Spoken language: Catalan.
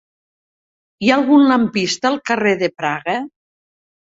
Hi ha algun lampista al carrer de Praga?